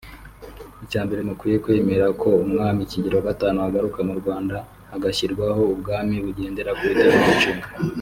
Icyambere mukwiye kwemeranwa ko Umwami Kigeli V agaruka mu Rwanda hagashyirwaho Ubwami bugendera ku itegekonshinga